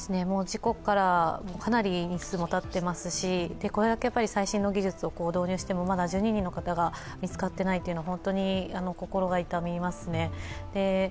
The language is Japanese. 事故からかなり日数もたっていますし、これだけ最新の技術を導入してもまだ１２人の方が見つかっていないのは本当に心が痛みますね。